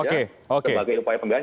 sebagai upaya penganan